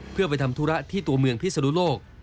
เพื่อไปทำธุระที่ตัวเมืองพิศนุโลก